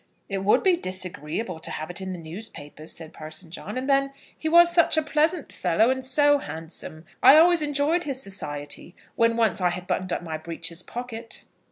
"It would be disagreeable to have it in the newspapers," said Parson John. "And then he was such a pleasant fellow, and so handsome. I always enjoyed his society when once I had buttoned up my breeches' pocket."